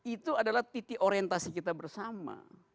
itu adalah titik orientasi kita bersama